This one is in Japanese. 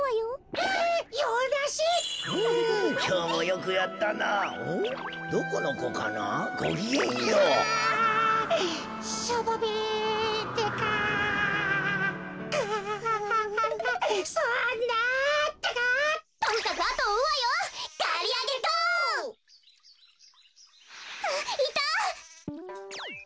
あっいた！